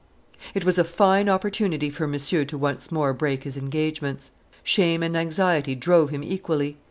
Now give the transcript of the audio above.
It was a fine opportunity for Monsieur to once more break his engagements. Shame and anxiety drove him equally.